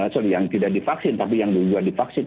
sorry yang tidak divaksin tapi yang dua dua divaksin